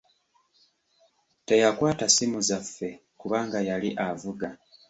Teyakwata ssimu zaffe kubanga yali avuga.